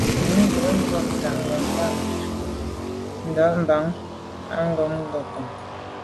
Mə ghʉ̌ ngǔ’ ncobtαn ŋammbαhα. Ndὰb mαm bə α̂ Ngǒnncò.